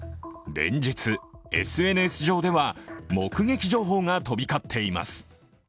連日、ＳＮＳ上では目撃情報が飛び交っています。